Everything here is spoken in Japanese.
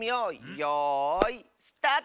よいスタート！